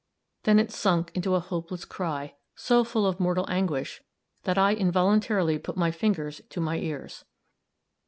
Then it sunk into a hopeless cry, so full of mortal anguish, that I involuntarily put my fingers to my ears.